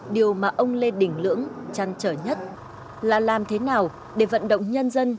điều mà ông lê đình lưỡng chăn trở nhất là làm thế nào để vận động nhân dân